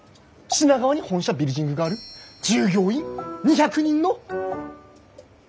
品川に本社ビルヂングがある従業員２００人の。